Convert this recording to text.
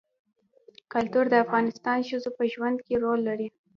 کلتور د افغان ښځو په ژوند کې رول لري.